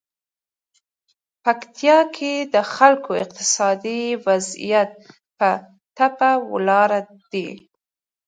پکتیکا کې د خلکو اقتصادي وضعیت په ټپه ولاړ دی.